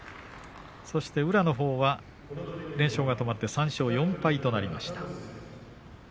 そして宇良のほうは連勝が止まって３勝４敗となりました。